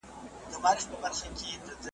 آس هم ښکلی هم د جنګ وي هم د ننګ وي ,